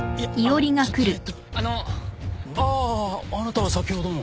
あああなたは先ほどの。